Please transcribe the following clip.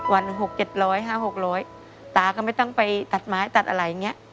วันหกเจ็ดร้อยห้าหกร้อยตาก็ไม่ต้องไปตัดไม้ตัดอะไรอย่างนี้